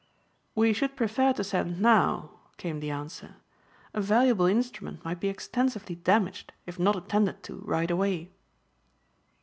"We should prefer to send now," came the answer. "A valuable instrument might be extensively damaged if not attended to right away."